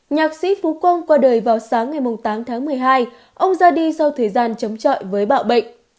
nhạc sĩ phú quang qua đời vào sáng ngày tám tháng một mươi hai ông ra đi sau thời gian chống chọi với bạo bệnh